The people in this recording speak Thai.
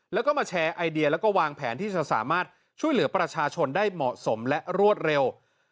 แล้วก็มาแชร์ไอเดียแล้วก็วางแผนที่จะสามารถช่วยเหลือประชาชนได้เหมาะสมและรวดเร็ว